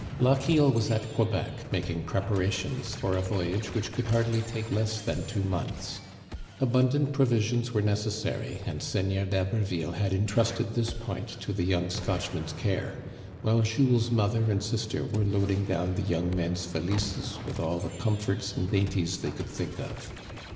Lochiel was at Quebec, making preparations for a voyage which could hardly take less than two months. Abundant provisions were necessary, and Seigneur d'Haberville had intrusted this point to the young Scotchman's care, while Jules's mother and sister were loading down the young men's valises with all the comforts and dainties they could think of.